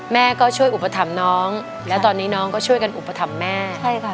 แม่ก็ช่วยอุปถัมภ์น้องและตอนนี้น้องก็ช่วยกันอุปถัมภ์แม่ใช่ค่ะ